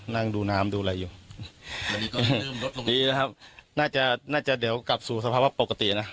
นั่งดูน้ำดูอะไรอยู่ดีนะครับน่าจะน่าจะเดี๋ยวกลับสู่สภาวะปกตินะ